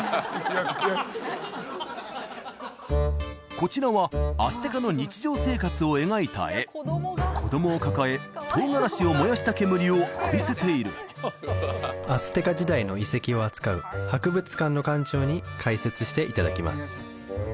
こちらはアステカの日常生活を描いた絵子供を抱えトウガラシを燃やした煙を浴びせているアステカ時代の遺跡を扱う博物館の館長に解説していただきます